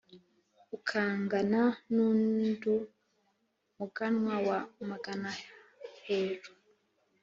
ukangana n’undu muganwa wa mugana-heru